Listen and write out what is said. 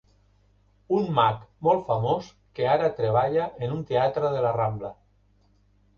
Un mag molt famós que ara treballa en un teatre de la Rambla.